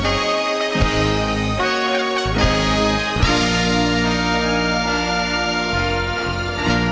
ให้ลืม